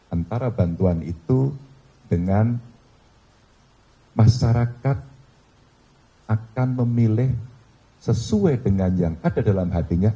antara bantuan itu dengan masyarakat akan memilih sesuai dengan yang ada dalam hatinya